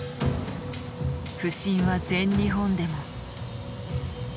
不振は全日本でも。